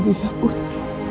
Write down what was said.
maafin ibu ya putri